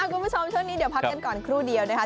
คุณผู้ชมช่วงนี้เดี๋ยวพักกันก่อนครู่เดียวนะคะ